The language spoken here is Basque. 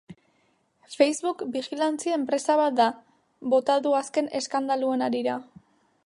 Facebook bijilantzia enpresa bat da, bota du azken eskandaluen harira.